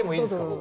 僕。